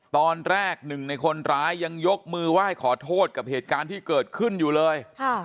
ตอนแรกหนึ่งในคนร้ายยังยกมือไหว้ขอโทษกับเหตุการณ์ที่เกิดขึ้นอยู่เลย